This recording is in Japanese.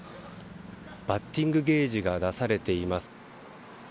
バッティングゲージが出されています。